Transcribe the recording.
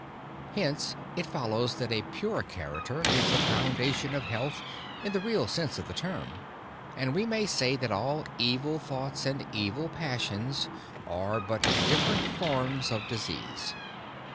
Hence it follows that a pure character is the foundation of health in the real sense of the term; and we may say that all evil thoughts and evil passions are but different forms of disease.